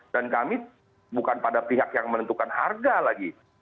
dan kami bukan pada pihak yang menentukan harga lagi